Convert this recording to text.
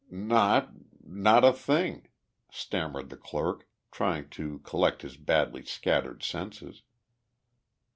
"Not not a thing," stammered the clerk, trying to collect his badly scattered senses.